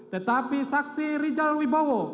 tetapi saksi rijal wibowo